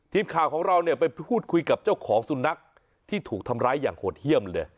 ทีมข่าวของเราเนี่ยไปพูดคุยกับเจ้าของสุนัขที่ถูกทำร้ายอย่างโหดเยี่ยมเลย